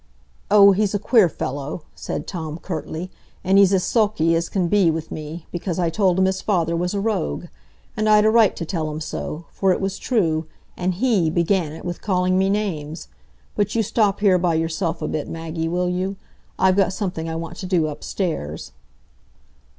"Oh, he's a queer fellow," said Tom, curtly, "and he's as sulky as can be with me, because I told him his father was a rogue. And I'd a right to tell him so, for it was true; and he began it, with calling me names. But you stop here by yourself a bit, Maggie, will you? I've got something I want to do upstairs."